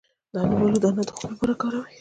د الوبالو دانه د خوب لپاره وکاروئ